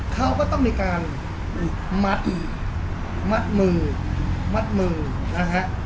เขาก็ต้องมีการมัดมือมัดมือนะฮะ